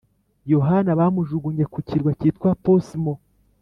yohana bamujugunye ku kirwa cyitwa posimo